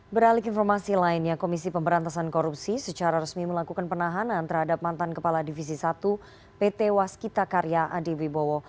beralik informasi lainnya komisi pemberantasan korupsi secara resmi melakukan penahanan terhadap mantan kepala divisi satu pt waskita karya ade wibowo